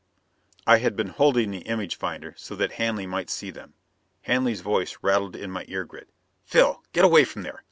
I had been holding the image finder so that Hanley might see them. Hanley's voice rattled my ear grid. "Phil! Get away from there!